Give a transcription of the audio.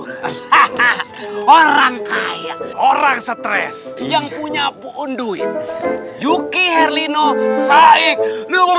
hahah orang kaya orang stres yang punya pohon duit juki herlino saik leluhur